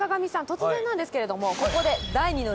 突然なんですけれどもここで。